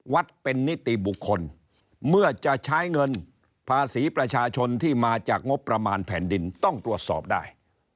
วัดเป็นนิติบุคคลเมื่อจะใช้เงินภาษีประชาชนที่มาจากงบประมาณแผ่นดินต้องตรวจสอบได้